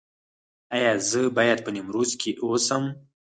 ایا زه باید په نیمروز کې اوسم؟